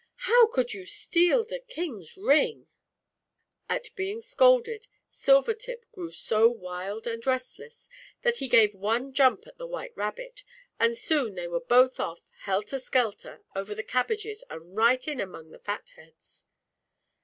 ow could you steal the King's Ring?" ZAUBERLINDA, THE WISE WITCH, 191 At being scolded, Silvertip grew so wild and restless, that he gave one jump at the white Rabbit, and soon they were both off, helter skelter, over the cabbages and right in among the Fat Heads.